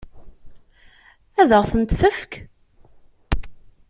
Ad ɣ-ten-tefk?